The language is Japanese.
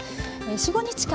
４５日間